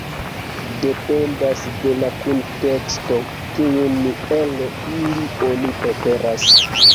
Dependas de la kunteksto, kiun el ili oni preferas.